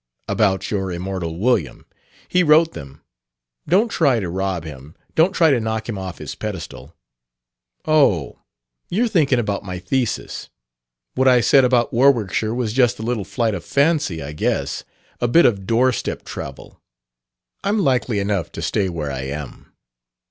"About your immortal William. He wrote them. Don't try to rob him. Don't try to knock him off his pedestal." "Oh, you're thinking about my thesis. What I said about Warwickshire was just a little flight of fancy, I guess, a bit of doorstep travel. I'm likely enough to stay where I am."